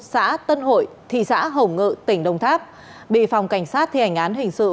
xã tân hội thị xã hồng ngự tỉnh đông tháp bị phòng cảnh sát thi hành án hình sự